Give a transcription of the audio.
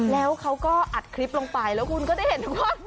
แล้วเขาก็อัดคลิปลงไปแล้วคุณก็ได้เห็นว่า